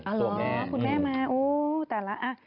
อ๋อคุณแม่มาอู้วแต่ละ